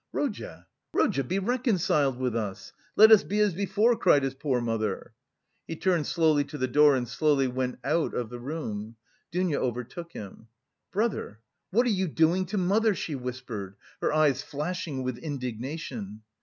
"Rodya, Rodya, be reconciled with us! Let us be as before!" cried his poor mother. He turned slowly to the door and slowly went out of the room. Dounia overtook him. "Brother, what are you doing to mother?" she whispered, her eyes flashing with indignation.